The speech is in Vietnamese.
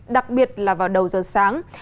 đặc biệt là vào đầu giờ sáng